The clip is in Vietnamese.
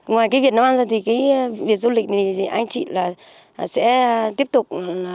ngoài cái việc nó ăn thì cái việc du lịch thì anh chị là sẽ tiếp tục